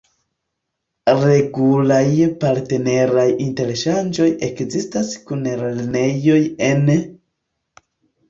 Regulaj partneraj interŝanĝoj ekzistas kun lernejoj en...